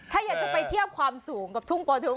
ถ้าอยากจะไปเทียบความสูงกับทุ่งปอทึก